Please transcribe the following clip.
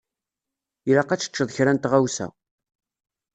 Ilaq ad teččeḍ kra n tɣawsa.